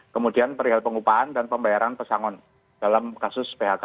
kemudian perihal pengupahan dan pembayaran pesangon dalam kasus phk